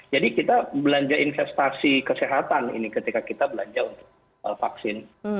jadi kita belanja investasi kesehatan ini ketika kita belanja untuk vaksin